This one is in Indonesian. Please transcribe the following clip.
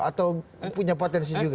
atau punya potensi juga